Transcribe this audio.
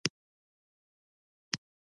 خان زمان: زه ډېره بښنه غواړم، ډېر مې خفه کړې.